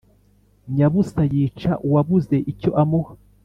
Nyabusa yica uwabuze icyo amuha